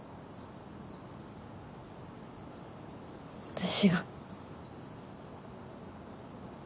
私が。